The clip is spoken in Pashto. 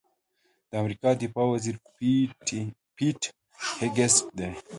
د امریکا دفاع وزیر پیټ هېګسیت دی.